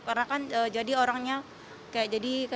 karena kan jadi orangnya kayak jadi